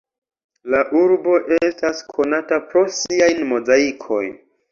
La urbo estas konata pro siaj mozaikoj.